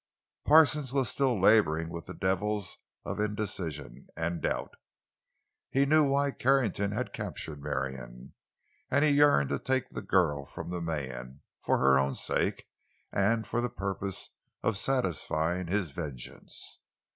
Parsons was still laboring with the devils of indecision and doubt. He knew why Carrington had captured Marion, and he yearned to take the girl from the man—for her own sake, and for the purpose of satisfying his vengeance.